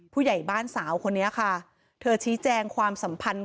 ผู้ใหญ่บ้านสาวคนนี้ค่ะเธอชี้แจงความสัมพันธ์